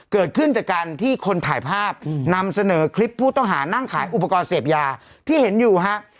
เกิดขึ้นจากการที่คนถ่ายภาพนำเสนอคลิปผู้ต้องหานั่งขายอุปกรณ์เสพยาที่เห็นอยู่ฮะ